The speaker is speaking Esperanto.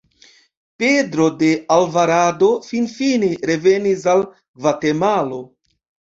Pedro de Alvarado finfine revenis al Gvatemalo.